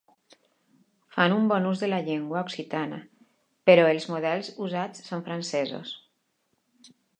Fan un bon ús de la llengua occitana, però els models usats són francesos.